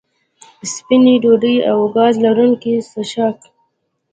سپینې ډوډۍ او ګاز لرونکي څښاک